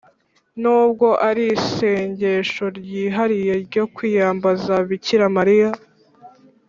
“n’ubwo ari isengesho ryihariye ryo kwiyambaza bikira mariya,